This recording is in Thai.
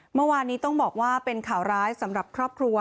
เมื่อวานนี้ต้องบอกว่าเป็นข่าวร้ายสำหรับครอบครัว